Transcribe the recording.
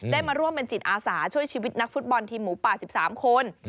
มาร่วมเป็นจิตอาสาช่วยชีวิตนักฟุตบอลทีมหมูป่า๑๓คน